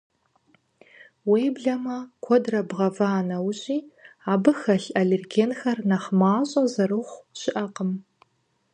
Уеблэмэ, куэдрэ бгъэва нэужьи, абы хэлъ аллергенхэр нэхъ мащӏэ зэрыхъу щыӏэкъым.